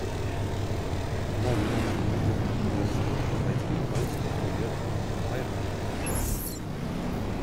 Immer wieder verunglücken Touristen, weil sie die polsternde Wirkung von Heuballen überschätzen.